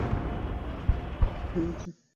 মহিন, ভালোই হইয়াছে।